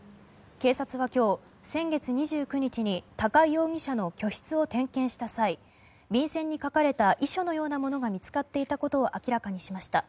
警察は今日先月２９日に高井容疑者の居室を点検した際便せんに書かれた遺書のようなものが見つかっていたことを明らかにしました。